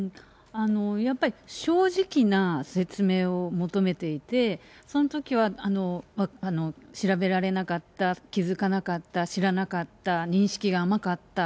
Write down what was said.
やっぱり正直な説明を求めていて、そのときは調べられなかった、気付かなかった、知らなかった、認識が甘かった。